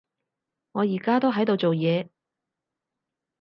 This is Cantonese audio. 我而家都喺度做嘢